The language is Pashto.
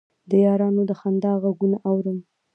د یارانو د خندا غـــــــــــــــــږونه اورم